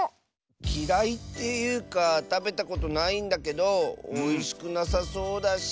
きらいっていうかたべたことないんだけどおいしくなさそうだし。